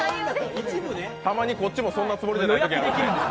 たまにこっちもそんなつもりじゃないときもあるんで。